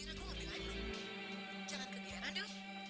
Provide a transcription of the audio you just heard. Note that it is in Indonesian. lo kalau mau semerang kayak gitu